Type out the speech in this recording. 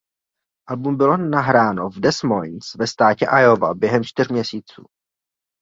Album bylo nahráno v Des Moines ve státě Iowa během čtyř měsíců.